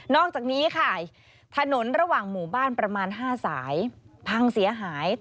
อกจากนี้ค่ะถนนระหว่างหมู่บ้านประมาณ๕สายพังเสียหาย